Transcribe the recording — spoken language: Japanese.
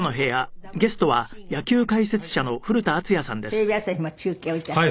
テレビ朝日も中継を致します。